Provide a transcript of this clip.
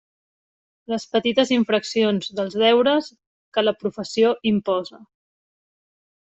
Les petites infraccions dels deures que la professió imposa.